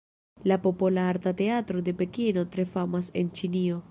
La Popola Arta Teatro de Pekino tre famas en Ĉinio.